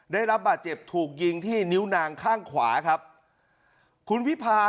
ได้รับบาดเจ็บถูกยิงที่นิ้วนางข้างขวาครับคุณวิพา